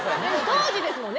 当時ですもんね？